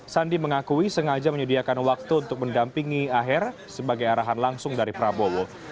sandi mengakui sengaja menyediakan waktu untuk mendampingi aher sebagai arahan langsung dari prabowo